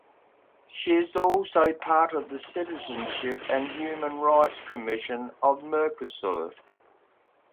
She is also part of the Citizenship and Human Rights commission of Mercosur.